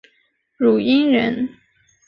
汝阴人。